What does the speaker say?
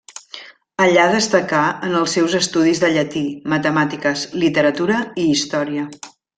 Allà destacà en els seus estudis de llatí, matemàtiques, literatura i història.